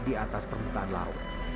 di atas permukaan laut